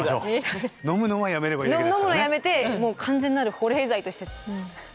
飲むのはやめてもう完全なる保冷剤として。